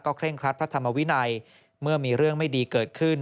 เคร่งครัดพระธรรมวินัยเมื่อมีเรื่องไม่ดีเกิดขึ้น